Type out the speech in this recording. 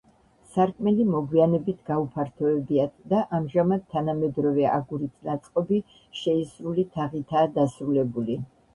სარკმელი მოგვიანებით გაუფართოვებიათ და ამჟამად თანამედროვე აგურით ნაწყობი შეისრული თაღითაა დასრულებული.